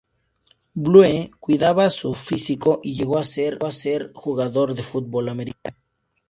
Blue cuidaba su físico y llegó a ser jugador de fútbol americano.